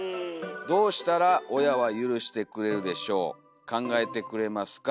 どうしたらおやはゆるしてくれるでしょう考えてくれますか？